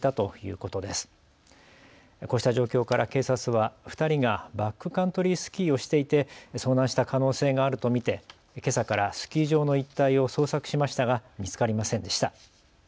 こうした状況から警察は２人がバックカントリースキーをしていて遭難した可能性があると見てけさからスキー場の一帯を捜索しましたが見つかりませんでした。